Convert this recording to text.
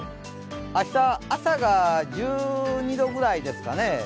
明日朝が１２度ぐらいですかね。